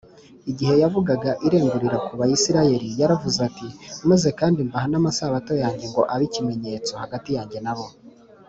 igihe yavugaga irengurira ku bayisiraheli yaravuze ati, “maze kandi mbaha n’amasabato yanjye ngo abe ikimenyetso hagati yanjye na bo